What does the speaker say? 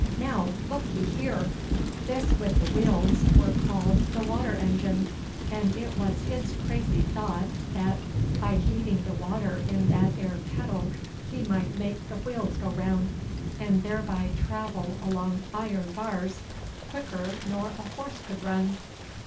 Now, look ye here! This wi' the wheels were called the water engine, and it was his crazy thought that, by heating the water in that ere kettle, ye might make the wheels go round, and thereby travel along iron bars quicker nor a horse could run.